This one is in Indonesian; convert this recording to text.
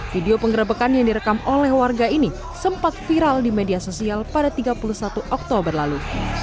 video pengerebekan yang direkam oleh warga ini sempat viral di media sosial pada tiga puluh satu oktober lalu